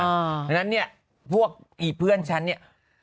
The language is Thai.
ดังนั้นเนี่ยพวกพี่เพื่อนฉันเนี่ย